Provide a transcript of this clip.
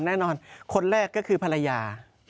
แน่นอนคนแรกก็คือภรรยา